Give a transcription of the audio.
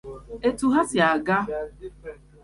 etu ha si aga